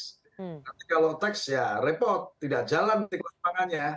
tapi kalau teks ya repot tidak jalan titik langsungnya